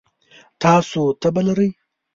تاسو تبه لرئ؟